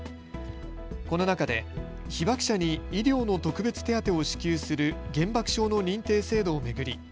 この中で被爆者に医療の特別手当を支給する原爆症の認定制度を巡り